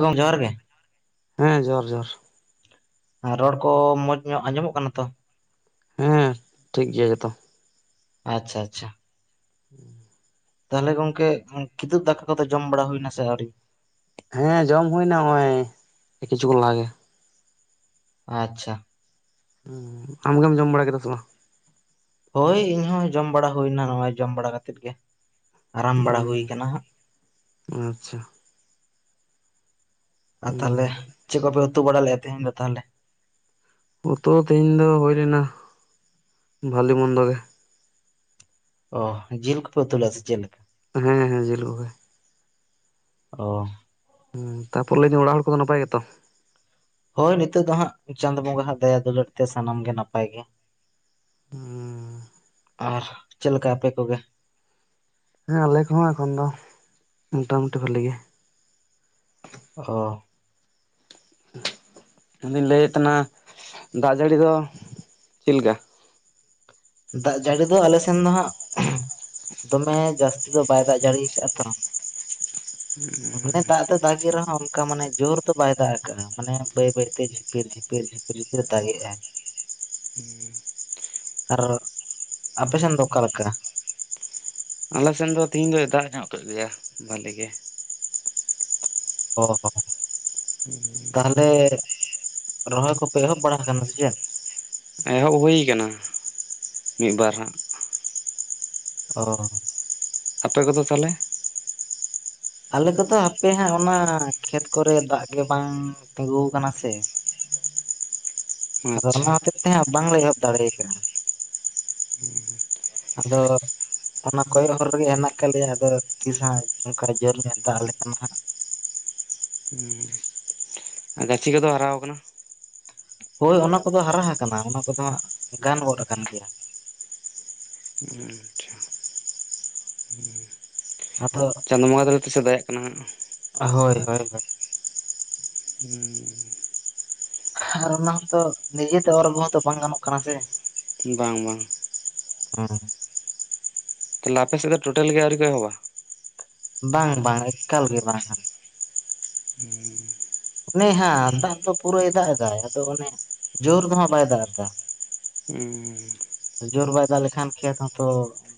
ᱜᱚᱝᱠᱮ ᱡᱚᱦᱟᱨ ᱜᱮ ᱦᱮᱸ ᱡᱚᱦᱟᱨ ᱡᱚᱦᱟᱨ ᱟᱨ ᱨᱚᱲ ᱠᱚ ᱢᱚᱸᱡᱽ ᱧᱚᱜ ᱟᱸᱡᱚᱢᱚᱜ ᱠᱟᱱᱟ ᱛᱚ ᱦᱮᱸ ᱴᱷᱤᱠ ᱜᱮᱭᱟ ᱡᱚᱛᱚ ᱟᱪᱪᱷᱟ ᱟᱪᱪᱷᱟ [unintelligible] ᱛᱟᱦᱚᱞᱮ ᱜᱚᱝᱠᱮ ᱠᱤᱫᱩᱵ ᱫᱟᱠᱟ ᱠᱚᱫᱚ ᱡᱚᱢ ᱵᱟᱲᱟ ᱦᱩᱭ ᱮᱱᱟ ᱥᱮ ᱟᱹᱣᱨᱤ? ᱦᱮᱸ ᱡᱚᱢ ᱦᱩᱭᱱᱟ ᱱᱚᱜᱼᱚᱭ ᱠᱤᱪᱷᱩ ᱞᱟᱦᱟᱜ ᱜᱮ᱾ ᱟᱪᱪᱷᱟ ᱟᱢᱜᱮᱢ ᱡᱚᱢ ᱵᱟᱲᱟ ᱠᱮᱫᱟ ᱥᱮ ᱵᱟᱝ? ᱦᱳᱭ ᱤᱧ ᱦᱚᱸ ᱡᱚᱢ ᱵᱟᱲᱟ ᱦᱩᱭᱱᱟ ᱱᱚᱜᱼᱚᱭ ᱡᱚᱢ ᱵᱟᱲᱟ ᱠᱟᱛᱮᱫ ᱜᱮ ᱟᱨᱟᱢ ᱵᱟᱲᱟ ᱦᱩᱭ ᱦᱩᱸ ᱠᱟᱱᱟ ᱦᱟᱸᱜ ᱟᱪᱪᱷᱟ ᱟᱨ ᱦᱩᱸ ᱛᱟᱦᱞᱮ ᱪᱮᱫ ᱠᱚᱯᱮ ᱩᱛᱩ ᱵᱟᱲᱟ ᱞᱮᱫᱼᱟ ᱛᱮᱦᱮᱧ ᱫᱚ ᱛᱟᱦᱞᱮ ᱩᱛᱩ ᱛᱚ ᱛᱮᱦᱮᱧ ᱫᱚ ᱦᱩᱭ ᱞᱮᱱᱟ ᱵᱷᱟᱞᱤ ᱢᱚᱱᱫᱚ ᱜᱮ ᱚ ᱡᱤᱞ ᱠᱚᱯᱮ ᱩᱛᱩ ᱞᱟᱹᱜᱼᱟ ᱥᱮ ᱪᱮᱫ ᱞᱮᱠᱟ ᱦᱮᱸ ᱦᱮᱸ ᱡᱤᱞ ᱠᱚᱜᱮ ᱚ ᱦᱸ ᱛᱟᱯᱚᱞᱮ ᱚᱲᱟᱜ ᱦᱚᱲ ᱠᱚ ᱫᱚ ᱱᱟᱯᱟᱭ ᱜᱮᱛᱚ ᱦᱳᱭ ᱱᱤᱛᱳᱜ ᱫᱚ ᱦᱟᱸᱜ ᱪᱟᱸᱫᱽ ᱵᱚᱸᱜᱟ ᱦᱟᱸᱜ ᱫᱟᱭᱟ ᱫᱩᱞᱟᱹᱲ ᱛᱮ ᱥᱟᱱᱟᱢ ᱜᱮ ᱱᱟᱯᱟᱭ ᱜᱮ ᱦᱩᱸ ᱟᱨ ᱪᱮᱫᱮ ᱞᱮᱠᱟ ᱟᱯᱮ ᱠᱚ ᱜᱮ ᱦᱮᱸ ᱟᱞᱮ ᱠᱚᱦᱚᱸ ᱮᱠᱷᱚᱱ ᱫᱚ ᱢᱚᱴᱟ ᱢᱩᱴᱤ ᱵᱷᱟᱞᱮ ᱜᱮ ᱚ ᱤᱫᱩᱧ ᱞᱟᱹᱭᱮᱫ ᱛᱟᱦᱮᱱᱟ ᱫᱟᱜ ᱡᱟᱹᱲᱤ ᱫᱚ ᱪᱮᱫ ᱞᱮᱠᱟ ᱫᱟᱜ ᱡᱟᱹᱲᱤ ᱫᱚ ᱟᱞᱮ ᱥᱮᱱ ᱫᱚ ᱦᱟᱸᱜ ᱫᱚᱢᱮ ᱡᱟᱹᱥᱛᱤ ᱫᱚ ᱵᱟᱭ ᱫᱟᱜ ᱡᱟᱹᱲᱤ ᱟᱠᱟᱟᱜᱼᱟ ᱛᱚ ᱢᱟᱱᱮ ᱫᱟᱜ ᱫᱚ ᱫᱟᱜᱮ ᱨᱮ ᱦᱚᱸ ᱚᱱᱠᱟ ᱢᱟᱱᱮ ᱡᱳᱨ ᱫᱚ ᱵᱟᱭ ᱫᱟᱜ ᱠᱟᱜᱼᱟ ᱢᱟᱱᱮ ᱵᱟᱹᱭ ᱵᱟᱹᱭᱛᱮ ᱡᱷᱤᱯᱤᱨ ᱡᱷᱤᱯᱤᱨ ᱡᱷᱤᱯᱤᱨ ᱡᱷᱤᱯᱤᱨ ᱮ ᱫᱟᱜᱮ-ᱟᱭ ᱦᱮᱸ ᱟᱨ ᱟᱯᱮᱥᱮᱱ ᱫᱚ ᱚᱠᱟᱞ ᱞᱮᱠᱟ ᱟᱞᱮᱥᱮᱱ ᱫᱚ ᱛᱤᱦᱤᱧ ᱫᱚᱭ ᱫᱟᱜ ᱧᱚᱜ ᱠᱮᱫ ᱜᱮᱭᱟ ᱵᱷᱟᱞᱤ ᱜᱮ ᱚ ᱦᱚᱸ ᱛᱟᱦᱚᱞᱮ ᱨᱚᱦᱚᱭ ᱠᱚᱯᱮ ᱮᱦᱚᱵ ᱵᱟᱲᱟ ᱟᱠᱟᱱᱟ ᱥᱮ ᱪᱮᱫ ᱮᱦᱚᱵ ᱦᱩᱭᱩ ᱟᱠᱟᱱᱟ ᱢᱤᱫ ᱵᱟᱨ ᱦᱟᱸᱜ ᱚ ᱟᱯᱮ ᱠᱚᱫᱚ ᱛᱟᱦᱚᱞᱮ ᱟᱞᱮ ᱠᱚᱫᱚ ᱦᱟᱯᱮ ᱦᱟᱸᱜ ᱚᱱᱟ ᱠᱷᱮᱛ ᱠᱚ ᱨᱮ ᱫᱟᱜ ᱜᱮ ᱵᱟᱝ ᱛᱤᱜᱩ ᱟᱠᱟᱱᱟ ᱥᱮ ᱟᱫᱚ ᱚᱱᱟ ᱦᱚᱛᱮ ᱛᱮᱦᱟᱸᱜ ᱵᱟᱝᱞᱮ ᱮᱦᱚᱵ ᱫᱟᱲᱮᱭ ᱠᱟᱱᱟ ᱦᱩᱸ ᱦᱩᱸ ᱟᱫᱚ ᱚᱱᱟ ᱠᱚᱭᱚᱜ ᱦᱚᱨ ᱨᱮ ᱜᱮ ᱦᱮᱱᱟᱜ ᱟᱠᱟᱫ ᱞᱮᱭᱟ ᱟᱫᱚ ᱛᱤᱥ ᱦᱟᱸᱜ ᱚᱱᱠᱟ ᱡᱳᱨ ᱧᱚᱜ ᱫᱟᱜ ᱟᱞᱮᱠᱟᱱᱟ ᱦᱟᱸᱜ ᱦᱩᱸ ᱜᱟᱪᱷᱤ ᱠᱚ ᱫᱚ ᱦᱟᱨᱟ ᱟᱠᱟᱱᱟ ᱦᱳᱭ ᱚᱱᱟ ᱠᱚ ᱫᱚ ᱦᱟᱨᱟ ᱟᱠᱟᱱᱟ ᱚᱱᱟ ᱠᱚᱫᱚ ᱜᱟᱱ ᱜᱚᱫ ᱟᱠᱟᱱ ᱜᱮᱭᱟ ᱟᱪᱪᱷᱟ ᱟᱫᱚ ᱪᱟᱸᱫᱚᱳ ᱵᱚᱸᱜᱟ ᱛᱟᱞᱮ ᱛᱤᱥᱮ ᱫᱟᱨᱮᱭᱟᱜ ᱠᱟᱱᱟ ᱦᱟᱜ ᱦᱳᱭ ᱦᱳᱭ ᱦᱳᱭ ᱦᱩᱸ ᱟᱨ ᱚᱱᱟ ᱦᱚᱸᱛᱚ ᱱᱤᱡᱮᱛᱮ ᱚᱨᱜ ᱦᱚᱸᱛᱚ ᱵᱟᱝ ᱜᱟᱱᱚᱜ ᱠᱟᱱᱟ ᱥᱮ ᱵᱟᱝ ᱵᱟᱝ [unintelligible] ᱛᱟᱦᱚᱞᱮ ᱟᱯᱮ ᱥᱮᱫ ᱴᱳᱴᱟᱞ ᱜᱮ ᱟᱣᱨᱤ ᱠᱚ ᱮᱦᱚᱵᱟ ᱵᱟᱝ ᱵᱟᱝ ᱮᱠᱟᱞ ᱜᱮ ᱵᱟᱝ ᱦᱩᱸ ᱚᱱᱮ ᱦᱮᱸ ᱫᱟᱜ ᱫᱚ ᱯᱩᱨᱟᱹᱭ ᱫᱟᱜ ᱮᱫᱟᱭ ᱟᱫᱚ ᱚᱱᱮ ᱡᱳᱨ ᱫᱚ ᱦᱟᱸᱜ ᱵᱟᱭ ᱫᱟᱜ ᱮᱫᱟ ᱦᱩᱸ ᱡᱳᱨ ᱵᱟᱭ ᱫᱟᱜ ᱞᱮᱠᱷᱟᱱ ᱠᱷᱮᱛ ᱦᱚᱸ ᱛᱚ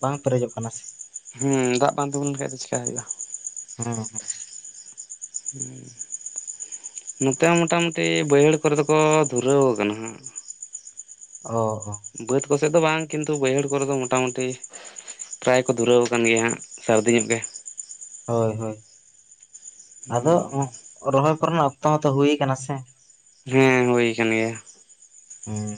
ᱵᱟᱝ ᱯᱮᱨᱮᱡᱚᱜ ᱠᱟᱱᱟ ᱥᱮ ᱦᱮᱸ ᱫᱟᱜ ᱵᱟᱝ ᱛᱤᱜᱩ ᱞᱮᱱᱷᱟᱟᱱ ᱫᱚ ᱪᱮᱠᱟ ᱦᱩᱭᱩᱜᱼᱟ ᱦᱚᱸ ᱱᱚᱛᱮ ᱦᱚᱸ ᱢᱚᱴᱟ ᱢᱩᱴᱤ ᱵᱟᱹᱭᱦᱟᱹᱲ ᱠᱚᱨᱮ ᱫᱚ ᱠᱚ ᱫᱷᱩᱨᱟᱹᱣ ᱟᱠᱟᱱᱟ ᱦᱟᱸᱜ ᱚ ᱵᱟᱹᱫᱽ ᱠᱚ ᱥᱮᱫ ᱫᱚ ᱵᱟᱝ ᱠᱤᱱᱛᱩ ᱵᱟᱹᱭᱦᱟᱹᱲ ᱠᱚᱨᱮ ᱫᱚ ᱢᱚᱴᱟ ᱢᱩᱴᱤ ᱯᱨᱟᱭ ᱠᱚ ᱫᱷᱩᱨᱟᱹᱣ ᱟᱠᱟᱱ ᱜᱮᱭᱟ ᱦᱟᱸᱜ ᱥᱟᱹᱨᱫᱤ ᱧᱚᱜ ᱜᱮ ᱦᱳᱭ ᱦᱳᱭ ᱟᱫᱚ ᱨᱚᱦᱚᱭ ᱠᱚᱨᱮ ᱱᱟᱜ ᱚᱠᱛᱚ ᱦᱚᱸ ᱛᱚ ᱦᱩᱭ ᱠᱟᱱᱟ ᱥᱮ ᱦᱮᱸ ᱦᱩᱭᱳ ᱠᱟᱱ ᱜᱮᱭᱟ ᱦᱮᱸ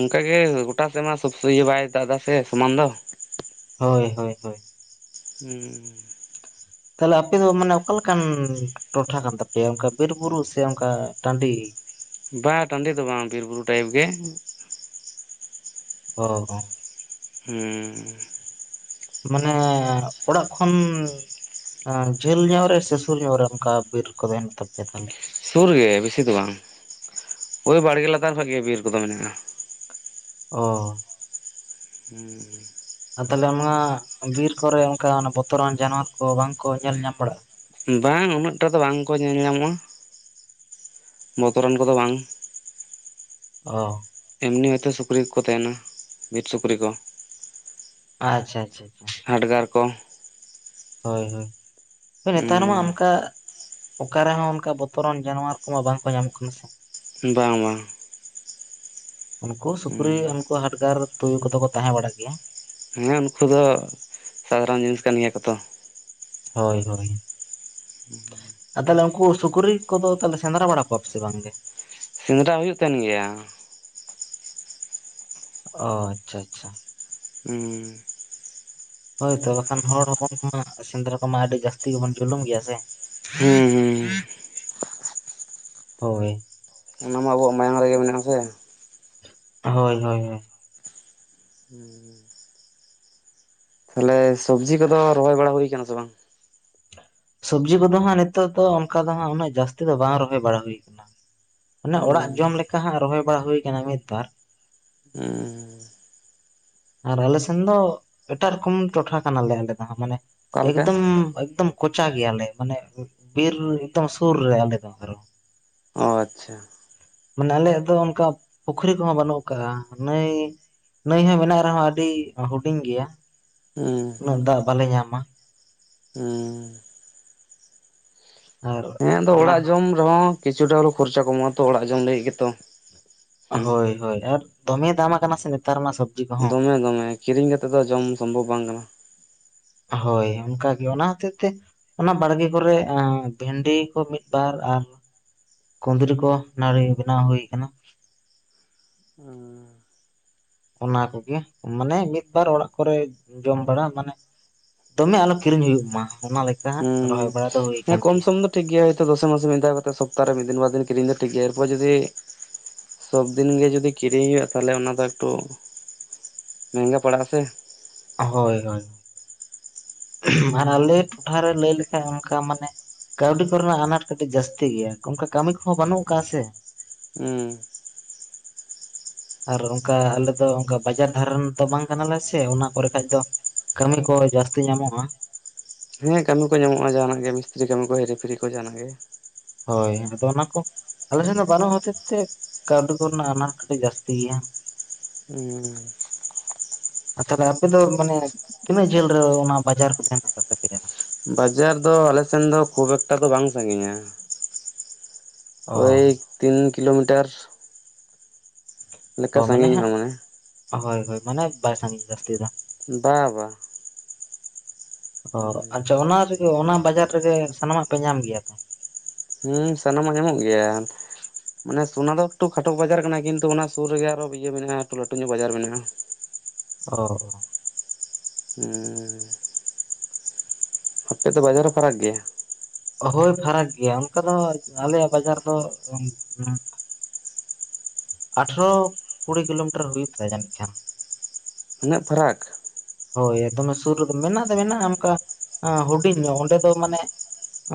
ᱚᱱᱠᱟᱜ ᱜᱮ ᱜᱚᱴᱟ ᱥᱮᱫ ᱢᱟ ᱥᱚᱵ ᱤᱭᱟᱹ ᱵᱟᱭ ᱫᱟ ᱮᱫᱟ ᱥᱮ ᱥᱚᱢᱟᱱ ᱫᱚ ᱦᱳᱭ ᱦᱳᱭ ᱦᱳᱭ [unintelligible] ᱛᱟᱦᱚᱞᱮ ᱟᱯᱮ ᱫᱚ ᱢᱟᱱᱮ ᱚᱠᱟ ᱞᱮᱮᱠᱟᱱ ᱴᱚᱴᱷᱟ ᱠᱟᱱ ᱛᱟᱯᱮᱭᱟ ᱚᱱᱠᱟ ᱵᱤᱨ ᱵᱩᱨᱩ ᱥᱮ ᱚᱱᱠᱟ ᱴᱟᱺᱰᱤ? ᱵᱟᱝ ᱴᱟᱺᱰᱤ ᱫᱚ ᱵᱟᱝ ᱵᱤᱨ ᱵᱩᱨᱩ ᱴᱟᱭᱤᱯ ᱜᱮ᱾ ᱚ ᱦᱮᱸ ᱢᱟᱱᱮ ᱚᱲᱟᱜ ᱠᱷᱚᱱ ᱡᱷᱟᱹᱞ ᱧᱚᱜ ᱨᱮ ᱥᱮ ᱥᱩᱨ ᱧᱚᱜ ᱨᱮ ᱚᱱᱠᱟ ᱵᱤᱨ ᱠᱚᱫᱚ ᱦᱮᱱ ᱛᱟᱯᱮᱭᱟ ᱛᱟᱦᱞᱮ ᱥᱩᱨ ᱜᱮᱮ ᱵᱮᱥᱤ ᱫᱚ ᱵᱟᱝ ᱳᱭ ᱵᱟᱲᱜᱮ ᱞᱟᱛᱟᱨ ᱠᱷᱚᱡ ᱜᱮ ᱵᱤᱨ ᱠᱚᱫᱚ ᱢᱮᱱᱟᱜᱼᱟ᱾ ᱚ ᱦᱮᱸ ᱟᱨ ᱛᱟᱦᱚᱞᱮ ᱟᱢᱟᱜ ᱵᱤᱨ ᱠᱚᱨᱮ ᱚᱱᱠᱟ ᱵᱚᱛᱚᱨᱟᱱ ᱡᱟᱱᱣᱟᱨ ᱠᱚ ᱵᱟᱝ ᱠᱚ ᱧᱮᱞ ᱧᱟᱢ ᱵᱟᱲᱟᱜᱼᱟ ᱵᱟᱝ ᱩᱱᱟᱹᱜ ᱴᱟ ᱫᱚ ᱵᱟᱝ ᱠᱚ ᱧᱮᱞ ᱧᱟᱢᱚᱜᱼᱟ ᱵᱚᱛᱚᱨᱟᱱ ᱠᱚᱫᱚ ᱵᱟᱝ᱾ ᱚ ᱮᱢᱱᱤ ᱦᱚᱭᱛᱳ ᱥᱩᱠᱨᱤ ᱠᱚᱠᱚ ᱛᱟᱦᱮᱱᱟ ᱵᱤᱨ ᱥᱩᱠᱨᱤ ᱠᱚ᱾ ᱟᱪᱪᱷᱟ ᱟᱪᱪᱷᱟ ᱟᱪᱪᱷᱟ ᱦᱟᱰᱜᱟᱨ ᱠᱚ ᱦᱳᱭ ᱦᱳᱭ ᱱᱮᱛᱟᱨ ᱢᱟ ᱩᱸ ᱚᱱᱠᱟ ᱚᱠᱟᱨ ᱨᱮᱦᱚᱸ ᱚᱱᱠᱟ ᱵᱚᱛᱚᱨᱟᱱ ᱡᱟᱱᱣᱟᱨ ᱠᱚᱢᱟ ᱵᱟᱝ ᱠᱚ ᱧᱟᱢᱚᱜ ᱠᱟᱱᱟ ᱥᱮ ᱵᱟᱝ ᱵᱟᱝ ᱩᱱᱠᱩ ᱥᱩᱠᱨᱤ ᱩᱸ ᱩᱱᱠᱩ ᱦᱟᱴᱜᱟᱨ ᱛᱩᱭᱩ ᱠᱚᱫᱚ ᱠᱚ ᱛᱟᱦᱮᱸ ᱵᱟᱲᱟᱜ ᱜᱮᱭᱟ᱾ ᱦᱮᱸ ᱩᱱᱠᱩ ᱫᱚ ᱥᱟᱫᱷᱟᱨᱚᱱ ᱡᱤᱱᱤᱥ ᱠᱟᱱ ᱜᱮᱭᱟ ᱠᱚᱛᱚ᱾ ᱦᱳᱭ ᱦᱳᱭ ᱦᱩᱸ ᱦᱩᱸ ᱟᱨ ᱛᱟᱦᱚᱞᱮ ᱩᱱᱠᱩ ᱥᱩᱠᱨᱤ ᱠᱚᱫᱚ ᱛᱟᱦᱚᱞᱮ ᱥᱮᱸᱫᱽᱨᱟ ᱵᱟᱲᱟ ᱠᱚᱣᱟ ᱯ ᱥᱮ ᱵᱟᱝᱜᱮ? ᱥᱮᱸᱫᱽᱨᱟ ᱦᱩᱭᱩᱜ ᱠᱟᱱ ᱜᱮᱭᱟ᱾ ᱚ ᱟᱪᱪᱷᱟ ᱟᱪᱪᱷᱟ ᱦᱩᱸ ᱦᱳᱭ ᱛᱚ ᱵᱟᱠᱷᱟᱱ ᱦᱚᱲ ᱦᱚᱯᱚᱱ ᱠᱚ ᱢᱟ ᱥᱮᱸᱫᱽᱨᱟ ᱠᱚᱢᱟ ᱟᱹᱰᱤ ᱡᱟᱹᱥᱛᱤ ᱜᱮᱵᱚᱱ ᱡᱩᱞᱩᱢ ᱜᱮᱭᱟ ᱥᱮ ᱦᱩᱸ ᱦᱩᱸ ᱦᱳᱭ ᱚᱱᱟ ᱢᱟ ᱟᱵᱚᱣᱟᱜ ᱢᱟᱭᱟᱝ ᱨᱮᱜᱮ ᱢᱮᱱᱟᱜᱼᱟ ᱥᱮ? ᱦᱳᱭ ᱦᱳᱭ ᱦᱳᱭ ᱦᱩᱸ ᱛᱟᱦᱚᱞᱮ ᱥᱚᱵᱡᱤ ᱠᱚᱫᱚ ᱨᱚᱦᱚᱭ ᱵᱟᱲᱟ ᱦᱩᱭᱩᱠ ᱥᱮ ᱵᱟᱝ? ᱥᱚᱵᱽᱡᱤ ᱠᱚᱫᱚ ᱦᱟᱸᱜ ᱱᱤᱛᱚᱜ ᱫᱚ ᱚᱱᱠᱟ ᱫᱚ ᱦᱟᱸᱜ ᱩᱱᱟᱹᱜ ᱡᱟᱹᱥᱛᱤ ᱫᱚ ᱵᱟᱝ ᱨᱚᱦᱚᱭ ᱵᱟᱲᱟ ᱦᱩᱭᱩ ᱠᱟᱱᱟ᱾ ᱚᱱᱮ ᱚᱲᱟᱜ ᱡᱚᱢ ᱞᱮᱠᱟ ᱦᱜ ᱨᱚᱦᱚᱭ ᱵᱟᱲᱟ ᱦᱩᱭ ᱠᱟᱱᱟ ᱢᱤᱫᱵᱟᱨ᱾ ᱦᱮᱸ ᱟᱨ ᱟᱞᱮ ᱥᱮᱱ ᱫᱚ ᱮᱴᱟᱜ ᱨᱚᱠᱚᱢ ᱴᱚᱴᱷᱟ ᱠᱟᱱᱟᱞᱮ ᱟᱞᱮ ᱫᱚ ᱢᱟᱱᱮ ᱚᱠᱟᱞᱮᱠᱟ ᱮᱠᱫᱚᱢ ᱮᱠᱫᱚᱢ, ᱠᱚᱪᱟ ᱜᱮᱭᱟᱞᱮ ᱢᱟᱱᱮ ᱵᱤᱨ ᱮᱠᱫᱚᱢ ᱥᱩᱨ ᱨᱮ ᱟᱞᱮ ᱫᱚ ᱟᱨᱚ ᱚ ᱟᱪᱪᱷᱟ ᱢᱟᱱᱮ ᱟᱞᱮᱭᱟᱜ ᱫᱚ ᱚᱱᱠᱟ ᱯᱩᱠᱷᱨᱤ ᱠᱚᱦᱚᱸ ᱵᱟᱹᱱᱩᱜ ᱠᱟᱜ ᱱᱟᱭ ᱱᱟᱹᱭ ᱦᱚᱸ ᱢᱮᱱᱟᱜ ᱨᱮᱦᱚᱸ ᱟᱹᱰᱤ ᱦᱩᱰᱤᱧ ᱜᱮᱭᱟ᱾ ᱦᱮᱸ ᱩᱱᱟᱹᱜ ᱫᱟᱜ ᱵᱟᱞᱮ ᱧᱟᱢᱟ᱾ ᱦᱩᱸ ᱟᱨ ᱦᱮᱸ ᱟᱫᱚ ᱚᱱᱟ ᱚᱲᱟᱜ ᱡᱚᱢ ᱨᱮᱦᱚᱸ ᱠᱤᱪᱷᱩᱴᱟ ᱦᱚᱞ ᱠᱷᱚᱨᱪᱟ ᱠᱚᱢᱚᱜ ᱟᱛᱚ ᱚᱲᱟᱜ ᱡᱚᱢ ᱞᱟᱹᱜᱤᱫ ᱜᱮᱛᱚ᱾ ᱦᱮᱸ ᱦᱳᱭ ᱦᱳᱭ ᱟᱨ ᱫᱚᱢᱮ ᱫᱟᱢ ᱟᱠᱟᱱᱟ ᱥᱮ ᱱᱮᱛᱟᱨ ᱢᱟ ᱥᱚᱛ ᱫᱚᱢᱮ ᱫᱚᱢᱮ ᱠᱤᱨᱤᱧ ᱠᱟᱛᱮᱜ ᱫᱚ ᱡᱚᱢ ᱥᱚᱢᱵᱷᱚᱵᱽ ᱵᱟᱝ ᱠᱟᱱᱟ᱾ ᱦᱳᱭ ᱚᱱᱠᱟᱟᱜ ᱜᱮ ᱚᱱᱟ ᱦᱚᱛᱮᱡ ᱛᱮ ᱚᱱᱟ ᱵᱟᱲᱜᱮ ᱠᱚᱨᱮ ᱵᱷᱮᱱᱰᱤ ᱠᱚ ᱢᱤᱫ ᱵᱟᱨ ᱟᱨ ᱠᱩᱸᱫᱽᱨᱤ ᱠᱚ ᱱᱟᱲᱤ ᱵᱮᱱᱟᱣ ᱦᱩᱭ ᱟᱠᱟᱱᱟ ᱦᱩᱸ ᱚᱱᱟ ᱠᱚᱜᱮ ᱢᱟᱱᱮ ᱢᱤᱫ ᱵᱟᱨ ᱚᱲᱟᱜ ᱠᱚᱨᱮ ᱡᱚᱢ ᱵᱟᱲᱟ ᱢᱟᱱᱮ ᱫᱚᱢᱮ ᱟᱞᱚ ᱠᱤᱨᱤᱧ ᱦᱩᱭᱩᱜ ᱢᱟ ᱚᱱᱟ ᱞᱮᱠᱟ ᱦᱟᱸᱜ ᱦᱮᱸ ᱨᱚᱦᱚᱭ ᱵᱟᱲᱟ ᱫᱚ ᱦᱩᱭ ᱦᱮᱸ ᱟᱠᱟᱱ ᱠᱚᱢ ᱜᱮᱭᱟ ᱥᱚᱢ ᱫᱚ ᱴᱷᱤᱠ ᱜᱮᱭᱟ ᱦᱚᱭᱛᱚ ᱫᱚᱥᱮ ᱢᱟᱥ ᱢᱤᱫ ᱫᱷᱟᱣ ᱠᱟᱛᱮ ᱥᱚᱯᱛᱟ ᱨᱮ ᱢᱤᱫ ᱫᱤᱱ ᱵᱟᱨ ᱫᱤᱱ ᱠᱤᱨᱤᱧ ᱫᱚ ᱴᱷᱤᱠ ᱜᱮᱭᱟ ᱮᱨᱯᱚᱨᱮ ᱡᱩᱫᱤ ᱥᱚᱵ ᱫᱤᱱ ᱜᱮ ᱡᱩᱫᱤ ᱠᱤᱨᱤᱧ ᱦᱩᱭᱩᱜ-ᱟ ᱛᱟᱦᱚᱞᱮ ᱚᱱᱟ ᱫᱚ ᱮᱠᱴᱩ ᱢᱮᱦᱜᱟ ᱯᱟᱲᱟᱜ-ᱟ ᱥᱮ ᱦᱚᱭ ᱦᱚᱭ ᱟᱨ ᱟᱞᱮ ᱴᱚᱴᱷᱟ ᱨᱮ ᱞᱟᱹᱭ ᱞᱮᱠᱷᱟᱱ ᱚᱱᱠᱟ ᱢᱟᱱᱮ ᱠᱟᱹᱣᱰᱤ ᱠᱚᱨᱮᱱᱟᱜ ᱟᱱᱟᱴ ᱠᱟᱹᱴᱤᱡ ᱡᱟᱹᱥᱛᱤ ᱜᱮᱭᱟ ᱚᱱᱠᱟ ᱠᱟᱹᱢᱤ ᱠᱚᱦᱚᱸ ᱵᱟᱹᱱᱩᱜ ᱟᱠᱟᱜ-ᱟ ᱥᱮ ᱦᱩᱸ [inaudible] ᱟᱨ ᱚᱱᱠᱟ ᱟᱞᱮ ᱫᱚ ᱚᱱᱠᱟ ᱵᱟᱡᱟᱨ ᱫᱷᱟᱨᱮ ᱫᱚ ᱵᱟᱝ ᱠᱟᱱᱟᱞᱮ ᱥᱮ ᱚᱱᱟ ᱯᱚᱨᱮ ᱠᱷᱟᱡ ᱫᱚ ᱠᱟᱹᱢᱤ ᱠᱚ ᱡᱟᱹᱥᱛᱤ ᱧᱟᱢᱚᱜ-ᱟ ᱦᱮᱸ ᱠᱟᱹᱢᱤ ᱠᱚ ᱧᱟᱢᱚᱜ-ᱟ ᱡᱟᱦᱟᱱᱟᱜ ᱜᱮ ᱢᱤᱥᱛᱨᱤ ᱠᱟᱹᱢᱤ ᱠᱚ ᱦᱤᱨᱤ ᱯᱷᱤᱨᱤ ᱠᱚ ᱡᱟᱦᱟᱸᱱᱟᱜ ᱜᱮ ᱦᱚᱭ ᱟᱫᱚ ᱚᱱᱟ ᱠᱚ ᱟᱞᱮ ᱥᱮᱱ ᱫᱚ ᱵᱟᱱᱩᱜ ᱦᱚᱛᱮ ᱛᱮ ᱠᱟᱣᱰᱤ ᱠᱚ ᱨᱮᱱᱟᱜ ᱟᱱᱟᱴ ᱠᱟᱹᱴᱤᱡ ᱡᱟᱹᱥᱛᱤ ᱜᱮᱭᱟ ᱦᱩᱸ ᱟᱪᱪᱷᱟ ᱛᱟᱦᱚᱞᱮ ᱟᱯᱮ ᱫᱚ ᱢᱟᱱᱮ ᱛᱤᱱᱟᱹᱜ ᱡᱷᱟᱹᱞ ᱨᱮ ᱚᱱᱟ ᱵᱟᱡᱟᱨ ᱠᱚ ᱫᱚ ᱦᱮᱱᱟᱜ ᱟᱠᱟᱫ ᱛᱟᱯᱮᱭᱟ ᱵᱟᱡᱟᱨ ᱫᱚ ᱟᱞᱮᱥᱮᱱ ᱫᱚ ᱠᱷᱩᱵ ᱮᱠᱴᱟ ᱫᱚ ᱵᱟᱝ ᱥᱟᱺᱜᱤᱧᱟ ᱚ ᱳᱭ ᱛᱤᱱ ᱠᱤᱞᱳᱢᱤᱴᱟᱨ ᱞᱮᱠᱟ ᱚ ᱢᱟᱱᱮ ᱥᱟᱺᱜᱤᱧᱚᱜᱼᱟ ᱦᱟᱸᱜ ᱦᱳᱭ ᱦᱳᱭ ᱢᱟᱱᱮ ᱵᱟᱭ ᱥᱟᱺᱜᱤᱧᱟ ᱡᱟᱹᱥᱛᱤ ᱫᱚ ᱵᱟ ᱵᱟᱝ ᱚ ᱟᱪᱪᱷᱟ ᱚᱱᱟ ᱨᱮᱜᱮ ᱚᱱᱟ ᱵᱟᱡᱟᱨ ᱨᱮᱜᱮ ᱥᱟᱱᱟᱢᱟᱜ ᱯᱮ ᱧᱟᱢ ᱜᱮᱭᱟ ᱛᱚ ᱦᱩᱸ ᱥᱟᱱᱟᱢᱟᱜ ᱧᱟᱢᱚᱜ ᱜᱮᱭᱟ ᱢᱟᱱᱮ ᱥᱚᱱᱟ ᱫᱚ ᱮᱠᱴᱩ ᱠᱷᱟᱴᱚ ᱵᱟᱡᱟᱨ ᱠᱟᱱᱟ ᱠᱤᱱᱛᱩ ᱚᱱᱟ ᱥᱩᱨ ᱨᱮᱜᱮ ᱟᱨᱦᱚᱸ ᱤᱭᱟᱹ ᱢᱮᱱᱟᱜ-ᱟ ᱮᱠᱴᱩ ᱞᱟᱹᱴᱩ ᱧᱚᱜ ᱵᱟᱡᱟᱨ ᱢᱮᱱᱟᱜ-ᱟ ᱚ ᱦᱩᱸ ᱟᱯᱮ ᱫᱚ ᱵᱟᱡᱟᱨ ᱦᱚᱸ ᱯᱷᱟᱨᱟᱠ ᱜᱮᱭᱟ ᱦᱳᱭ ᱯᱷᱟᱨᱟᱠ ᱜᱮᱭᱟ ᱚᱱᱠᱟ ᱫᱚ ᱟᱞᱮᱭᱟᱜ ᱵᱟᱡᱟᱨ ᱫᱚ ᱟᱴᱷᱨᱚ ᱠᱩᱲᱤ ᱠᱤᱞᱳᱢᱤᱴᱟᱨ ᱦᱩᱭᱩᱜ ᱛᱟᱞᱮᱭᱟ ᱡᱟᱹᱱᱤᱡ ᱠᱷᱟᱱ ᱩᱱᱟᱹᱜ ᱯᱷᱟᱨᱟᱠ ᱦᱳᱭ ᱫᱚᱢᱮ ᱥᱩᱨ ᱨᱮᱫᱚ ᱢᱮᱱᱟᱜ ᱫᱚ ᱢᱮᱱᱟᱜ-ᱟ ᱚᱱᱠᱟ ᱦᱩᱰᱤᱧ ᱧᱚᱜ ᱚᱸᱰᱮ ᱫᱚ ᱢᱟᱱᱮᱜ ᱚ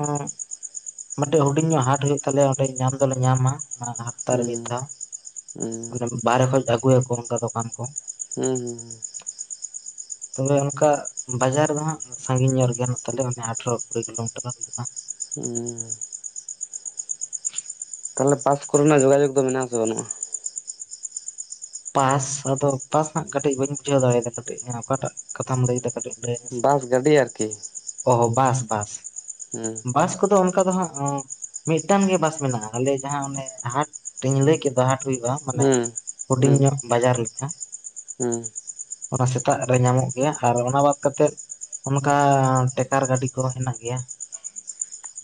ᱢᱤᱫᱴᱮᱡ ᱦᱩᱰᱤᱧ ᱧᱚᱜ ᱦᱟᱴ ᱦᱩᱭᱩᱜ ᱛᱟᱞᱮᱭᱟ ᱚᱸᱰᱮ ᱧᱟᱢ ᱫᱚᱞᱮ ᱧᱟᱢᱟ ᱚᱱᱟ ᱦᱟᱯᱛᱟ ᱨᱮ ᱢᱤᱫ ᱦᱩᱸ ᱫᱷᱟᱣ ᱦᱩᱸ ᱟᱱᱮ ᱵᱟᱨᱦᱮ ᱠᱷᱚᱡ ᱟᱹᱜᱩ ᱭᱟᱠᱚ ᱚᱱᱠᱟ ᱫᱚᱠᱟᱱ ᱠᱚ ᱦᱩᱸ ᱦᱩᱸ ᱦᱩᱸ ᱛᱚᱵᱮ ᱚᱱᱠᱟ ᱵᱟᱡᱟᱨ ᱨᱮᱫᱚ ᱦᱟᱸᱜ ᱥᱟᱺᱜᱤᱧ ᱧᱚᱜ ᱨᱮ ᱜᱮ ᱦᱮᱸᱱᱟᱜ ᱛᱟᱞᱮᱭᱟ ᱟᱴᱷᱨᱚ ᱠᱩᱲᱤ ᱠᱤᱞᱳᱢᱤᱴᱟᱨ ᱦᱩᱸ ᱛᱟᱦᱚᱞᱮ ᱯᱟᱥ ᱠᱚᱨᱮᱱᱟᱜ ᱡᱚᱜᱟᱡᱳᱜ ᱫᱚ ᱢᱮᱱᱟᱜ-ᱟ ᱥᱮ ᱵᱟᱹᱱᱩᱜ-ᱟ ᱯᱟᱥ ᱟᱫᱚ ᱯᱟᱥ ᱦᱟᱸᱜ ᱠᱟᱹᱴᱤᱡ ᱵᱟᱹᱧ ᱵᱩᱡᱷᱟᱹᱣ ᱫᱟᱲᱮ ᱭᱟᱫᱟ ᱠᱟᱹᱴᱤᱡ ᱦᱮᱸ ᱚᱠᱟᱴᱟᱜ ᱠᱟᱛᱷᱟᱢ ᱞᱟᱹᱭᱮᱫᱟ ᱠᱟᱹᱴᱤᱡ ᱵᱟᱥ ᱜᱟᱹᱰᱤ ᱟᱨᱠᱤ ᱚᱦᱚ ᱵᱟᱥ ᱵᱟᱥ ᱦᱩᱸ ᱵᱟᱥ ᱠᱚᱫᱚ ᱚᱱᱠᱟ ᱫᱚ ᱦᱟᱸᱜ ᱢᱤᱫᱴᱟᱝ ᱜᱮ ᱵᱟᱥ ᱢᱮᱱᱟᱜ-ᱟ ᱟᱞᱮ ᱡᱟᱦᱟᱸ ᱚᱱᱮ ᱦᱟᱴ ᱤᱧ ᱞᱟᱹᱭ ᱠᱮᱫ ᱫᱚ ᱦᱟᱴ ᱦᱩᱭᱩᱜ-ᱟ ᱦᱩᱸ ᱦᱩᱰᱤᱧ ᱦᱩᱸ ᱧᱚᱜ ᱵᱟᱡᱟᱨ ᱞᱮᱠᱟ ᱦᱩᱸ ᱚᱱᱟ ᱥᱮᱛᱟᱜ ᱨᱮ ᱧᱟᱢᱚᱜ ᱜᱮᱭᱟ ᱟᱨ ᱚᱱᱟ ᱵᱟᱫ ᱠᱟᱛᱮᱫ ᱚᱱᱠᱟ ᱴᱮᱠᱟᱨ ᱜᱟᱹᱰᱤ ᱠᱚ ᱦᱮᱱᱟᱜ ᱜᱮᱭᱟ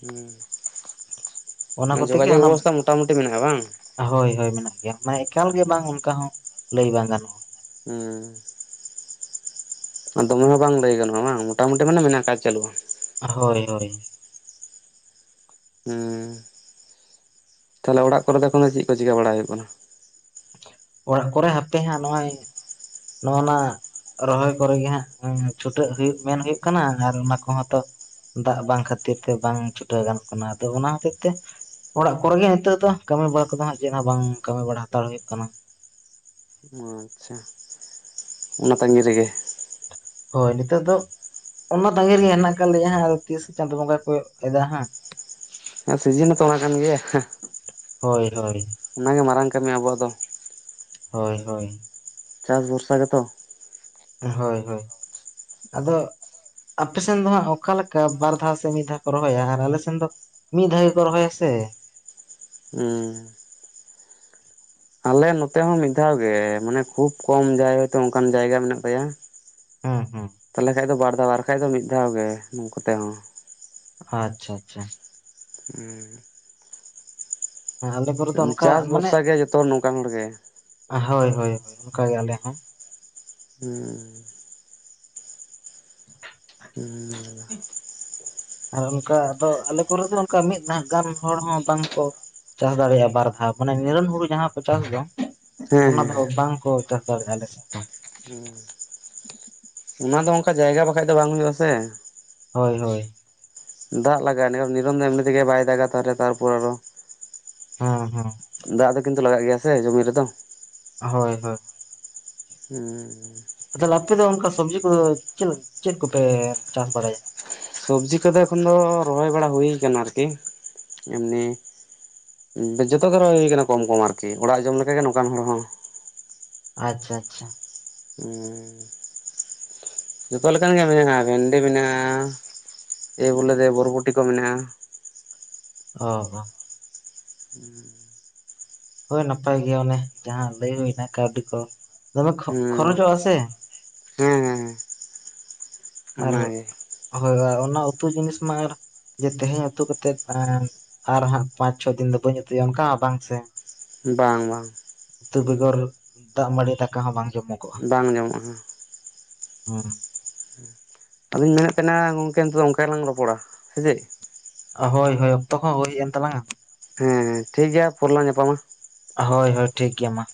ᱦᱩᱸ ᱚᱱᱟ ᱠᱚᱛᱮ ᱜᱮ ᱡᱳᱜᱟᱡᱳᱜᱽ ᱚᱱᱟ ᱵᱮᱵᱚᱥᱛᱟ ᱢᱚᱴᱟᱢᱩᱴᱤ ᱢᱮᱱᱟᱜᱼᱟ ᱵᱟᱝ᱾ ᱦᱳᱭ ᱦᱳᱭ ᱢᱮᱱᱟᱜ ᱜᱮᱭᱟ ᱢᱟᱱᱮ ᱮᱠᱟᱞ ᱜᱮ ᱵᱟᱝ ᱚᱝᱠᱟ ᱦᱚᱸ ᱞᱟᱹᱭ ᱵᱟᱝ ᱜᱟᱱᱚᱜᱼᱟ᱾ ᱦᱩᱸ ᱟᱸ ᱫᱚᱢᱮ ᱦᱚᱸ ᱵᱟᱝ ᱞᱟᱹᱭ ᱜᱟᱱᱚᱜᱼᱟ ᱵᱟᱝ ᱢᱚᱴᱟᱢᱩᱴᱤ ᱢᱟᱱᱮ ᱢᱮᱱᱟᱜ ᱠᱟᱜ ᱪᱟᱹᱞᱩᱜᱼᱟ᱾ ᱦᱳᱭ ᱦᱳᱭ ᱦᱩᱸ ᱛᱟᱦᱞᱮ ᱚᱲᱟᱜ ᱠᱚᱨᱮ ᱫᱚ ᱮᱠᱷᱚᱱ ᱫᱚ ᱪᱮᱜ ᱠᱚ ᱪᱤᱠᱟᱹ ᱵᱟᱲᱟᱭ ᱦᱳᱭᱳᱜ ᱠᱟᱱᱟ? ᱚᱲᱟᱜ ᱠᱚᱨᱮ ᱦᱟᱯᱮ ᱦᱟᱸ ᱱᱚᱜᱼᱚᱭ ᱱᱚᱜᱼᱱᱟ ᱨᱚᱦᱚᱭ ᱠᱚᱨᱮ ᱜᱤ ᱦᱟᱸᱜ ᱪᱷᱩᱴᱟᱹᱜ ᱦᱩᱭᱩᱜ ᱢᱮᱱ ᱦᱩᱭᱩᱜ ᱠᱟᱱᱟ ᱟᱨ ᱚᱱᱟ ᱠᱚᱦᱚᱸ ᱛᱚ ᱫᱟᱜ ᱵᱟᱝ ᱠᱷᱟᱹᱛᱤᱨ ᱛᱮ ᱵᱟᱝ ᱪᱷᱩᱴᱟᱹᱣ ᱜᱟᱱᱚᱜ ᱠᱟᱱᱟ ᱟᱫᱚ ᱚᱱᱟ ᱦᱚᱛᱮᱡ ᱛᱮ ᱚᱲᱟᱜ ᱠᱚᱨᱮ ᱜᱮ ᱦᱤᱛᱚᱜ ᱫᱚ ᱠᱟᱹᱢᱤ ᱵᱟᱲᱟ ᱠᱚᱫᱚ ᱦᱟᱸᱜ ᱪᱮᱫ ᱦᱚᱸ ᱵᱟᱝ ᱠᱟᱹᱢᱤ ᱵᱟᱲᱟ ᱦᱟᱛᱟᱲ ᱦᱩᱭᱩᱜ ᱠᱟᱱᱟ ᱚ ᱟᱪᱪᱷᱟ ᱚᱱᱟ ᱛᱟᱹᱜᱤ ᱨᱮᱜᱮ ᱦᱳᱭ ᱱᱤᱛᱚᱜ ᱫᱚ ᱚᱱᱟ ᱛᱟᱸᱜᱤ ᱨᱤᱜᱤ ᱦᱮᱱᱟᱜ ᱠᱟᱜ ᱞᱮᱭᱟ ᱦᱟᱸᱜ ᱟᱫᱚ ᱛᱤᱥ ᱪᱟᱸᱫ ᱵᱚᱸᱜᱟᱭ ᱠᱚᱭᱚᱜ ᱮᱫᱟ ᱦᱟᱸᱜ᱾ ᱦᱮᱸ ᱥᱤᱡᱤᱱ ᱦᱚᱸᱛᱚ ᱚᱱᱟ ᱠᱟᱱ ᱜᱮᱭᱟ ᱦᱮᱸᱜ ᱦᱳᱭ ᱦᱳᱭ ᱚᱱᱟᱜᱮ ᱢᱟᱨᱟᱝ ᱠᱟᱹᱢᱤ ᱟᱵᱚᱣᱟᱜ ᱫᱚ᱾ ᱦᱳᱭ ᱦᱳᱭ ᱪᱟᱥ ᱵᱷᱚᱨᱥᱟ ᱜᱮᱛᱚ᱾ ᱦᱳᱭ ᱦᱳᱭ ᱟᱫᱚ ᱟᱯᱮ ᱥᱮᱱ ᱫᱚ ᱦᱟᱸᱜ ᱚᱠᱟ ᱞᱮᱠᱟ ᱵᱟᱨ ᱫᱷᱟᱣ ᱥᱮ ᱢᱤᱫ ᱫᱷᱟᱣ ᱠᱚ ᱨᱚᱦᱚᱭᱟ ᱟᱨ ᱟᱞᱮ ᱥᱮᱱ ᱫᱚ ᱢᱤᱫ ᱫᱷᱟᱣ ᱜᱮ ᱠᱚ ᱨᱚᱦᱚᱭᱟ ᱥᱮ᱾ ᱦᱩᱸ ᱟᱞᱮ ᱱᱚᱛᱮᱦᱚᱸ ᱢᱤᱫ ᱫᱷᱟᱣ ᱜᱮ, ᱢᱟᱱᱮ ᱠᱷᱩᱵ ᱠᱚᱢ ᱡᱟᱦᱟᱭ ᱦᱚᱭᱛᱳ ᱚᱝᱠᱟᱱ ᱡᱟᱭᱜᱟ ᱢᱮᱱᱟᱜ ᱛᱟᱭᱟ᱾ ᱦᱮᱸ ᱦᱮᱸ ᱛᱟᱞᱦᱮ ᱠᱷᱟᱡ ᱫᱚ ᱵᱟᱨ ᱫᱷᱟᱣ ᱟᱨ ᱵᱟᱠᱷᱟᱡ ᱫᱚ ᱢᱤᱫ ᱫᱷᱟᱣ ᱜᱮ ᱱᱩᱝᱠᱩᱛᱮᱦᱚᱸ᱾ ᱟᱪᱪᱷᱟ ᱟᱪᱪᱷᱟ ᱦᱩᱸ ᱟᱞᱮ ᱠᱚᱨᱮ ᱫᱚ ᱚᱱᱠᱟ ᱪᱟᱥ ᱢᱟᱱᱮ ᱵᱷᱚᱨᱥᱟ ᱜᱮ ᱡᱚᱛᱚ ᱱᱚᱝᱠᱟᱱ ᱦᱚᱲ ᱜᱮ ᱦᱳᱭ ᱦᱳᱭ ᱚᱱᱠᱟ ᱜᱮ ᱟᱞᱮ ᱦᱚᱸ᱾ ᱦᱩᱸ ᱦᱩᱸ ᱟᱨ ᱚᱱᱠᱟ ᱟᱫᱚ ᱟᱞᱮ ᱠᱚᱨᱮᱜ ᱫᱚ ᱚᱱᱠᱟ ᱢᱤᱫ ᱫᱷᱟᱣ ᱜᱟᱱ ᱦᱚᱲ ᱦᱚᱸ ᱵᱟᱝᱠᱚ ᱪᱟᱥ ᱫᱟᱲᱮᱭᱟᱜᱼᱟ ᱵᱟᱨ ᱫᱷᱟᱣ ᱢᱟᱱᱮ ᱱᱤᱨᱚᱱ ᱦᱩᱲᱩ ᱡᱟᱦᱟᱸ ᱠᱚ ᱪᱟᱥ ᱫᱚ᱾ ᱦᱮᱸ ᱚᱱᱟ ᱫᱚᱦᱚ ᱵᱟᱝᱠᱚ ᱪᱟᱥ ᱫᱟᱲᱮᱜᱼᱟ ᱟᱞᱮ ᱥᱮ᱾ ᱦᱩᱸ ᱚᱱᱟ ᱫᱚ ᱚᱝᱠᱟ ᱡᱟᱭᱜᱟ ᱵᱟᱠᱷᱟᱡ ᱫᱚ ᱵᱟᱝ ᱦᱩᱭᱩᱜ ᱟᱥᱮ᱾ ᱦᱳᱭ ᱦᱳᱭ ᱫᱟᱜ ᱞᱟᱜᱟᱜᱼᱟ ᱱᱤᱨᱚᱱ ᱱᱤᱨᱚᱢ ᱫᱚ ᱮᱢᱱᱤ ᱛᱮᱜᱮ ᱵᱟᱭ ᱫᱟᱜᱟ ᱛᱟᱦᱚᱞᱮ ᱛᱟᱨᱯᱚᱨᱮ ᱟᱨᱚ᱾ ᱦᱮᱸ ᱦᱮᱸ ᱫᱟᱜ ᱫᱚ ᱠᱤᱱᱛᱩ ᱞᱟᱜᱟᱜ ᱜᱮᱭᱟ ᱥᱮ ᱡᱚᱢᱤ ᱨᱮᱫᱚ᱾ ᱦᱳᱭ ᱦᱳᱭ ᱦᱩᱸ ᱛᱚᱞᱮ ᱟᱯᱮ ᱫᱚ ᱚᱱᱠᱟ ᱥᱚᱵᱽᱡᱤ ᱠᱚᱫᱚ ᱪᱮᱞ ᱪᱮᱫ ᱠᱚᱯᱮ ᱪᱟᱥ ᱵᱟᱲᱟᱭᱟ? ᱥᱚᱵᱡᱤ ᱠᱚᱫᱚ ᱮᱠᱷᱚᱱ ᱫᱚ ᱨᱚᱦᱚᱭ ᱵᱟᱲᱟ ᱦᱩᱭ ᱠᱟᱱᱟ ᱟᱨᱠᱤ ᱮᱢᱱᱤ ᱡᱚᱛᱚ ᱜᱮ ᱨᱚᱦᱚᱭ ᱦᱩᱭ ᱠᱟᱱᱟ ᱠᱚᱢ ᱠᱚᱢ ᱟᱨᱠᱤ ᱚᱲᱟᱜ ᱡᱚᱢ ᱞᱮᱠᱟ ᱜᱮ ᱱᱚᱝᱠᱟᱱ ᱦᱚᱲ ᱦᱚᱸ ᱟᱪᱪᱷᱟ ᱟᱪᱪᱷᱟ ᱩᱸ ᱡᱚᱛᱚ ᱞᱮᱠᱟᱱ ᱜᱮ ᱢᱮᱱᱟᱜᱼᱟ ᱵᱷᱮᱱᱰᱤ ᱢᱮᱱᱟᱜᱼᱟ᱾ ᱮᱭ ᱵᱚᱞᱮ ᱫᱮᱭ ᱵᱚᱨᱚᱵᱚᱴᱤ ᱠᱚ ᱢᱮᱱᱟᱜᱼᱟ᱾ ᱚ ᱦᱚ [unintelligible] ᱦᱳᱭ ᱱᱟᱯᱟᱭ ᱜᱮᱭᱟ ᱚᱱᱮ ᱡᱟᱦᱟᱸ ᱞᱟᱹᱭ ᱦᱩᱭᱮᱱᱟ ᱠᱟᱹᱣᱰᱤ ᱠᱚ ᱫᱚᱢᱮ ᱠᱷᱚ ᱠᱷᱚᱨᱚᱪᱚᱜᱼᱟ ᱥᱮ᱾ ᱦᱮᱸ ᱦᱮᱸ ᱦᱮᱸ ᱟᱨ ᱚᱱᱟᱜᱮ ᱦᱳᱭ ᱦᱳᱭ ᱟᱨ ᱚᱱᱟ ᱩᱛᱩ ᱡᱤᱱᱤᱥ ᱢᱟ ᱟᱨ ᱡᱮ ᱛᱮᱦᱮᱧ ᱩᱛᱩ ᱠᱟᱛᱮᱜ ᱟᱨ ᱦᱟᱸᱜ ᱯᱟᱸᱪ ᱪᱷᱚ ᱫᱤᱱ ᱫᱚ ᱵᱟᱹᱧ ᱩᱛᱩᱭᱟ ᱚᱱᱠᱟ ᱵᱟᱝ ᱥᱮ ᱵᱟᱝ ᱵᱟᱝ ᱩᱛᱩ ᱵᱮᱜᱚᱨ ᱫᱟᱜ ᱢᱟᱹᱰᱤ ᱫᱟᱠᱟ ᱦᱚᱸ ᱵᱟᱝ ᱡᱚᱢᱚᱜ ᱵᱟᱝ ᱧᱟᱢᱚᱜᱼᱟ ᱦᱩᱸ ᱟᱫᱚᱧ ᱢᱮᱱᱮᱫ ᱛᱟᱦᱮᱸᱱᱟ ᱜᱚᱝᱠᱮ ᱱᱤᱛᱚᱜ ᱫᱚ ᱚᱱᱠᱟ ᱜᱮᱞᱟᱝ ᱨᱚᱯᱚᱲᱟ ᱥᱮ ᱪᱮᱫ ᱦᱳᱭ ᱦᱳᱭ ᱚᱠᱛᱚ ᱦᱚᱸᱦᱩᱭ ᱦᱮᱡ ᱮᱱ ᱛᱟᱞᱟᱝᱼᱟ᱾ ᱦᱮᱸ ᱴᱷᱤᱠ ᱜᱮᱭᱟ ᱯᱚᱨᱞᱟᱝ ᱧᱟᱯᱟᱢᱟ᱾ ᱦᱳᱭ ᱦᱳᱭ ᱴᱷᱤᱠ ᱜᱮᱭᱟ ᱢᱟ᱾